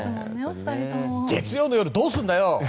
月曜の夜どうすんだよ！